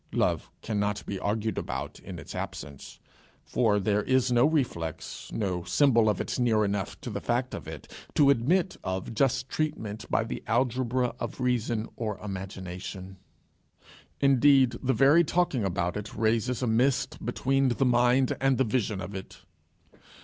Love cannot be argued about in its absence, for there is no reflex, no symbol of it near enough to the fact of it, to admit of just treatment by the algebra of the reason or imagination. Indeed, the very talking about it raises a mist between the mind and the vision of it.